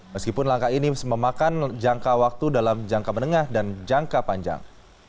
meskipun langkah ini memakan jangka waktu dalam jangka menengah dan jangka panjang